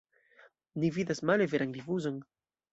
Ni vidas male veran rifuzon.